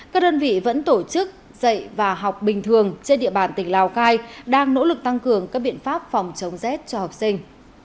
các đơn vị vẫn tổ chức dạy và học bình thường trên địa bàn tỉnh lào cai đang nỗ lực tăng cường các biện pháp phòng chống rét cho học sinh